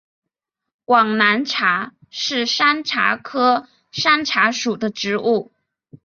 广南茶是山茶科山茶属的植物。